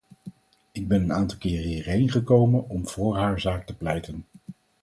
Ik ben een aantal keer hierheen gekomen om voor haar zaak te pleiten.